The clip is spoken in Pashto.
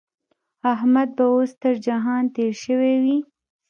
احمد به اوس تر جهان تېری شوی وي.